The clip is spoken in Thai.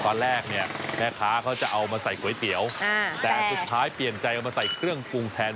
ตอนแรกเนี่ยแม่ค้าเขาจะเอามาใส่ก๋วยเตี๋ยวแต่สุดท้ายเปลี่ยนใจเอามาใส่เครื่องปรุงแทน